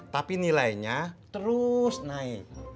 tapi nilainya terus naik